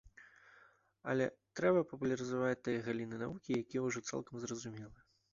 Але трэба папулярызаваць тыя галіны навукі, якія ўжо цалкам зразумелыя.